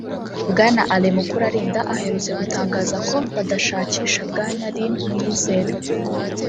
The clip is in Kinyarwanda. Bwana Alain Mukurarinda aherutse gutangaza ko badashakisha Bwana Lin Muyizere